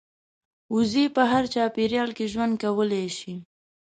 وزې په هر چاپېریال کې ژوند کولی شي